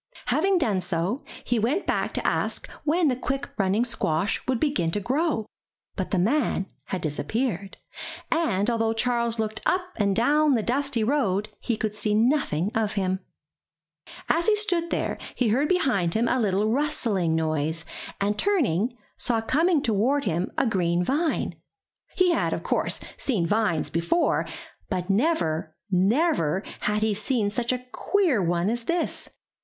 Having done so, he went back to ask when the quick running squash would begin to grow. But the man had disappeared, and, al though Charles looked up and down the dusty road, he could see nothing of him. As he stood there, he heard behind him a little rustling noise, and turning, saw coming toward him a green vine. He had, of course, seen vines before, but never, never had he seen such a queer one as this.